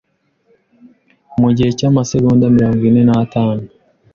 mu gihe cy’amasegonda mirongo ine natanu